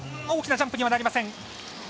大きなジャンプにはなりません。